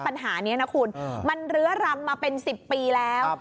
ปัญหานี้นะคุณมันเรื้อรังมาเป็น๑๐ปีแล้ว